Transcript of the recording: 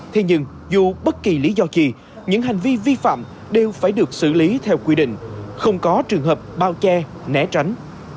thế nhưng dù bất kỳ lý do gì những hành vi vi phạm đều phải được xử lý theo quy định không có trường hợp bao che né tránh